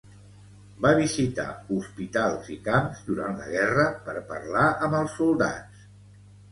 Va visitar hospitals i camps durant la guerra per parlar amb els soldats.